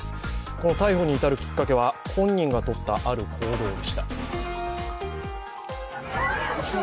この逮捕に至るきっかけは、本人がとったある行動でした。